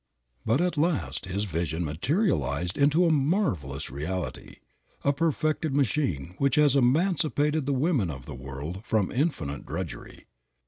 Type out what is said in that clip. But at last his vision materialized into a marvelous reality, a perfected machine which has emancipated the women of the world from infinite drudgery.